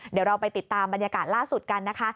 เดี๋ยวเราไปติดตามบรรยากาศล่าสุดกันนะคะ